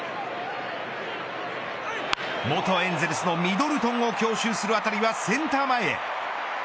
元エンゼルスのミドルトンを強襲する当たりはセンター前へ。